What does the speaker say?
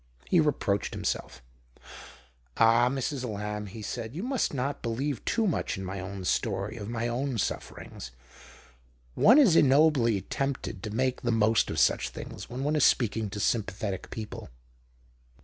He reproached himself. " Ah, Mrs. Lamb," he said, " you must not believe too much in my own story of my own sufferings. One is ignobly tempted to make the most of such things when one is speaking to sympathetic people."